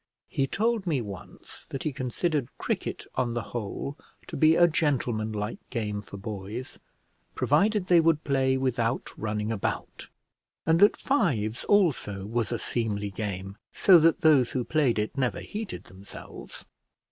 He told me once that he considered cricket, on the whole, to be a gentleman like game for boys, provided they would play without running about; and that fives, also, was a seemly game, so that those who played it never heated themselves.